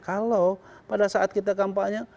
kalau pada saat kita kampanye